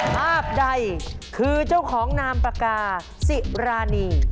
ภาพใดคือเจ้าของนามปากกาสิรานี